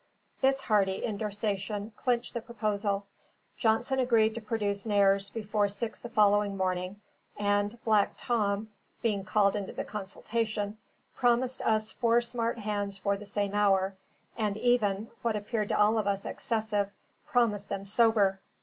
This hearty indorsation clinched the proposal; Johnson agreed to produce Nares before six the following morning; and Black Tom, being called into the consultation, promised us four smart hands for the same hour, and even (what appeared to all of us excessive) promised them sober.